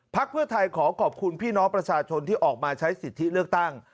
เพื่อไทยขอขอบคุณพี่น้องประชาชนที่ออกมาใช้สิทธิเลือกตั้ง